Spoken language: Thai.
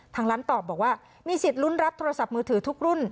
ทางร้านตอบบอกว่ามีสิทธิ์ลุ้นรับโทรศัพท์มือถือทุกรุ่น